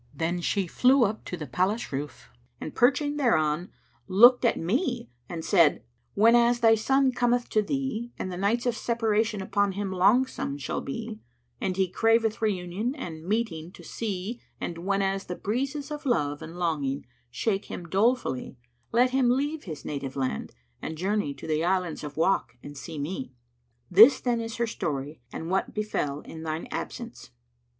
Then she flew up to the palace roof and perching thereon, looked at me and said: 'Whenas thy son cometh to thee and the nights of separation upon him longsome shall be and he craveth reunion and meeting to see and whenas the breezes of love and longing shake him dolefully let him leave his native land and journey to the Islands of Wak and seek me.' This, then, is her story and what befel in thine absence."